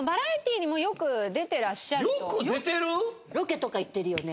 ロケとか行ってるよね。